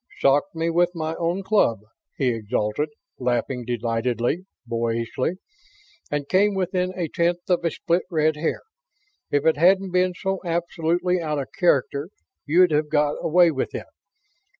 "Socked me with my own club!" he exulted, laughing delightedly, boyishly. "And came within a tenth of a split red hair! If it hadn't been so absolutely out of character you'd've got away with it.